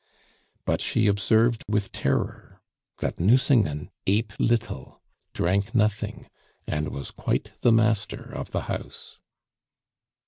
But she observed with terror that Nucingen ate little, drank nothing, and was quite the master of the house.